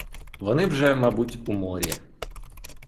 Вони вже, мабуть, у морі.